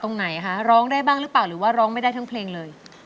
ตรงไหนคะร้องได้บ้างหรือเปล่าหรือว่าร้องไม่ได้ทั้งเพลงเลย